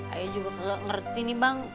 ayah juga kalau ngerti nih bang